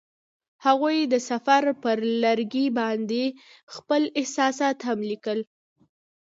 هغوی د سفر پر لرګي باندې خپل احساسات هم لیکل.